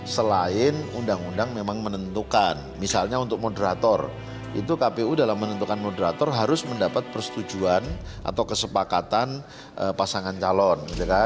selain undang undang memang menentukan misalnya untuk moderator itu kpu dalam menentukan moderator harus mendapat persetujuan atau kesepakatan pasangan calon